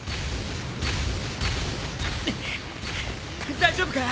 大丈夫か？